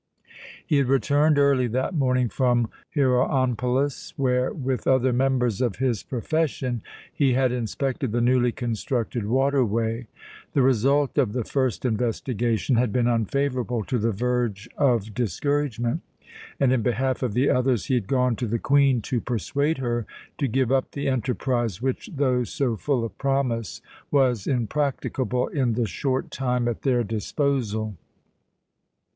He had returned early that morning from Heroonpolis, where, with other members of his profession, he had inspected the newly constructed waterway. The result of the first investigation had been unfavourable to the verge of discouragement; and, in behalf of the others, he had gone to the Queen to persuade her to give up the enterprise which, though so full of promise, was impracticable in the short time at their disposal.